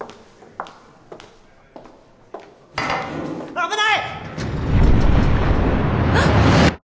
危ない！